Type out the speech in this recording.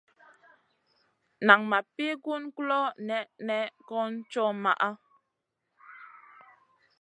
Nan ma pi gun ŋolo nèʼnèʼ kron co maʼa.